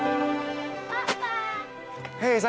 mak enung juga